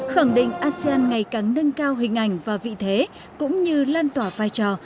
khẳng định asean ngày càng nâng cao hình ảnh và vị thế cũng như lan tỏa vai trò